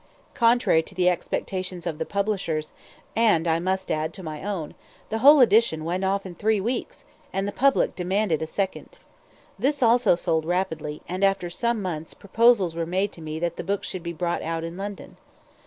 Contrary to the expectations of the publishers, and I must add to my own, the whole edition went off in three weeks, and the public demanded a second. This also sold rapidly, and after some months, proposals were made to me that the book should be brought out in London.